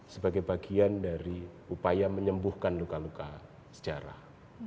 sebagai bagian dari upaya menyembuhkan luka luka sejarah